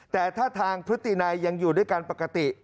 แต่ท่าทางพฤตินัยยังอยู่ด้วยกันปกติ